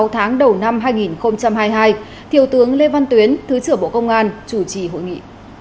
sáu tháng đầu năm hai nghìn hai mươi hai thiếu tướng lê văn tuyến thứ trưởng bộ công an chủ trì hội nghị